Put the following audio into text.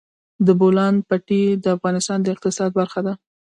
د بولان پټي د افغانستان د اقتصاد برخه ده.